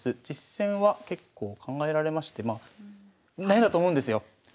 実戦は結構考えられましてまあ悩んだと思うんですよ。